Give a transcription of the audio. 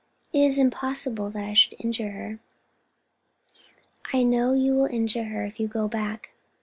It is impossible that I could injure her." "I know you will injure her if you go back.